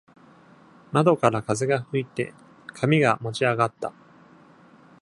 窓から風が吹いて紙が持ち上がった。